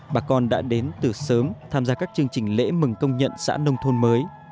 bà con đã đến từ sớm tham gia các chương trình lễ mừng công nhận xã nông thôn mới